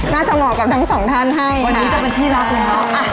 น่าจะเหมาะกับทั้งสองท่านให้ค่ะวันนี้จะเป็นที่รักเลยค่ะ